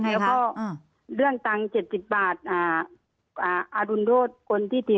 ไงค่ะอ่าเรื่องตังค์เจ็ดสิบบาทอ่าอ่าอรุณโรธคนที่ที่